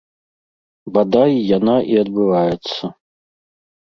Бадай, яна і адбываецца.